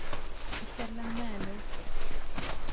Иҫәрләнмә әле!..